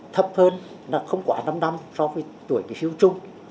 thấp hơn là không quá năm năm so với tuổi kỷ siêu chung